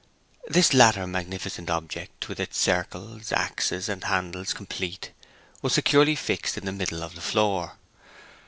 This latter magnificent object, with its circles, axes, and handles complete, was securely fixed in the middle of the floor.